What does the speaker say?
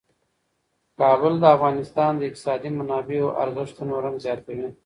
کابل د افغانستان د اقتصادي منابعو ارزښت نور هم زیاتوي.